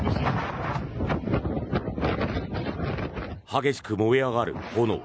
激しく燃え上がる炎。